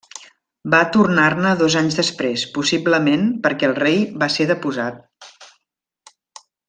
Va tornar-ne dos anys després, possiblement perquè el rei va ser deposat.